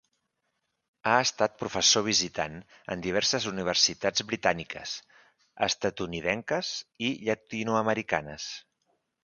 Ha estat professor visitant en diverses universitats britàniques, estatunidenques i llatinoamericanes.